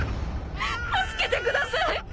助けてください！